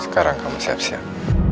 sekarang kamu siap siap